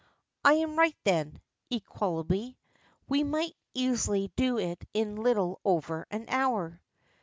"I am right then," equably; "we might easily do it in a little over an hour."